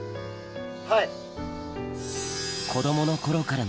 はい！